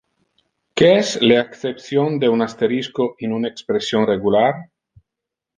Que es le acception de un asterisco in un expression regular?